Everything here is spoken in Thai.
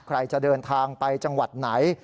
ใครจะเดินทางไปจังหวัดไหน